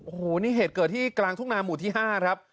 โอ้โหนี่เหตุเกิดที่กลางทุ่งนาหมู่ที่๕ครับ